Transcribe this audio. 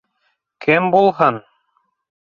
Кем булһын?